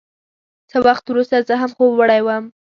څه وخت وروسته زه هم خوب وړی وم.